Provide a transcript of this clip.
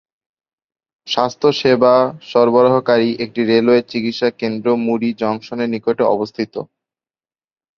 স্বাস্থ্যসেবা সরবরাহকারী একটি রেলওয়ে চিকিৎসা কেন্দ্র মুড়ি জংশনের নিকটে অবস্থিত।